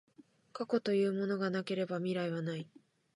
過去というものがなければ未来はない。